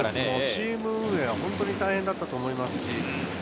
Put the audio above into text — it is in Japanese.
チーム運営は本当に大変だったと思います。